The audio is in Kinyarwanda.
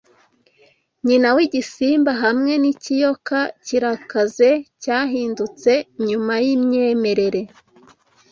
nyina w'igisimba hamwe n'ikiyoka kirakaze cyahindutse nyuma yimyemerere